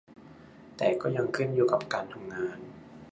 แต่ก็ยังขึ้นอยู่กับการทำงาน